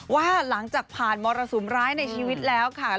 ว่าหลังจากผ่านมรสุมร้ายในชีวิตแล้วค่ะ